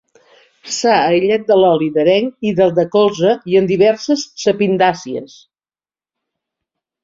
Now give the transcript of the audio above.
S'ha aïllat de l'oli d'areng i del de colza i en diverses sapindàcies.